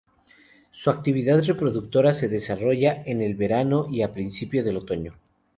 Su actividad reproductora se desarrolla en el verano y a principio del otoño.